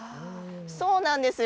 そうなんですよ。